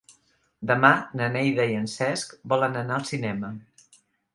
Demà na Neida i en Cesc volen anar al cinema.